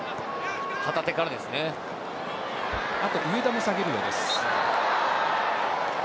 あと、上田も下げるようです。